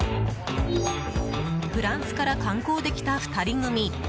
フランスから観光で来た２人組